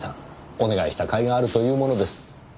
お願いしたかいがあるというものです。